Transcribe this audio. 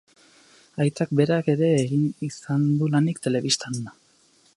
Aitak berak ere egin izan du lanik telebistan.